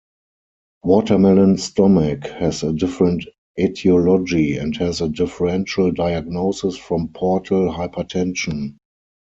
Watermelon stomach has a different etiology and has a differential diagnosis from portal hypertension.